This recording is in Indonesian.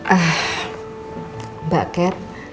ah mbak kat